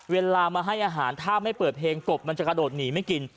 เวลามาให้อาหารถ้าไม่เปิดเพลงกบมันจะกระโดดหนีไม่กิน